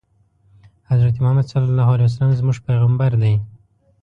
حضرت محمد ص زموږ پیغمبر دی